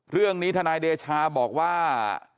เรื่องนี้ทนายเดชาบอกว่า